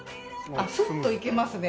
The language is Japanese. あっスッといけますね